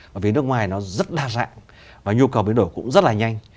bởi vì nước ngoài nó rất đa dạng và nhu cầu biến đổi cũng rất là nhanh